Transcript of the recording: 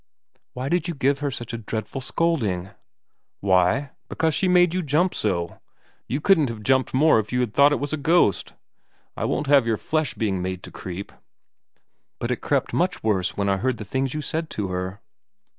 * Why did you give her such a dreadful scolding ?'' Why ? Because she made you jump so. You couldn't have jumped more if you had thought it was a ghost. I won't have your flesh being made to creep/ ' But it crept much worse when I heard the things you said to her.'